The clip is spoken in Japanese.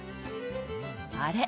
あれ？